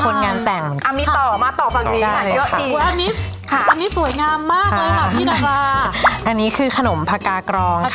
อร่อยมาก